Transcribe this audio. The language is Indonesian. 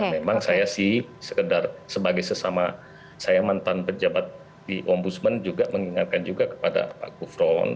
memang saya sih sekedar sebagai sesama saya mantan pejabat di ombudsman juga mengingatkan juga kepada pak gufron